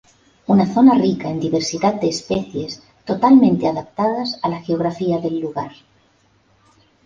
Una zona rica en diversidad de especies totalmente adaptadas a la geografía del lugar.